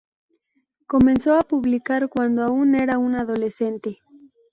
Comenzó a publicar cuando aún era una adolescente.